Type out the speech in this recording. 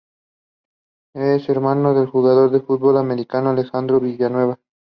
Es hermano del jugador de fútbol americano Alejandro Villanueva.